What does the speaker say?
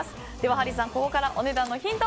ハリーさん、ここからお値段のヒント